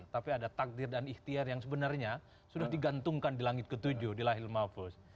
tapi ada takdir dan ikhtiar yang sebenarnya sudah digantungkan di langit ke tujuh di lahir mafus